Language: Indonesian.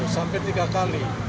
sampai tiga kali